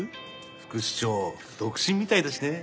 副市長独身みたいだしね。